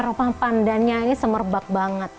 rempah pandannya ini semerbak banget